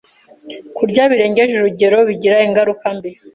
Kurya birengeje urugero bigira ingaruka mbi